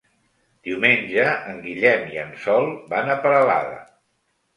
Diumenge en Guillem i en Sol van a Peralada.